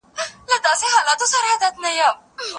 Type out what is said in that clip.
سبزيجات د ماشوم له خوا خوړل کيږي.